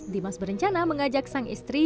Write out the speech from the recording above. dimas berencana mengajak sang istri